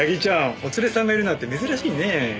お連れさんがいるなんて珍しいねえ。